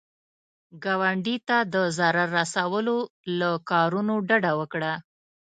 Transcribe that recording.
ګاونډي ته د ضرر رسولو له کارونو ډډه وکړه